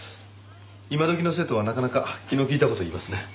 今時の生徒はなかなか気の利いた事を言いますね。